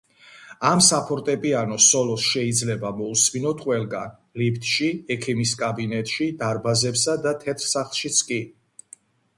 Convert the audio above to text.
ამ საფორტეპიანო სოლოს შეიძლება მოუსმინოთ ყველგან, ლიფტში, ექიმის კაბინეტში, დარბაზებსა და თეთრ სახლშიც კი.